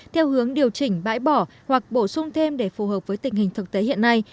theo hướng điều chỉnh bãi bỏ hoặc bổ sung thêm để phù hợp với tình hình thực tế hiện nay